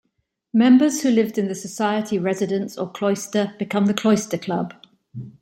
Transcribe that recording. Members who lived in the society residence, or "Cloister", become the Cloister Club.